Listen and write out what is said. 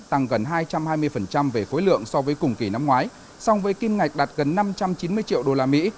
tăng gần hai trăm hai mươi về khối lượng so với cùng kỳ năm ngoái song với kim ngạch đạt gần năm trăm chín mươi triệu đô la mỹ